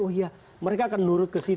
oh iya mereka akan nurut ke situ